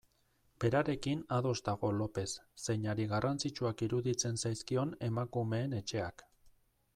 Berarekin ados dago Lopez, zeinari garrantzitsuak iruditzen zaizkion Emakumeen Etxeak.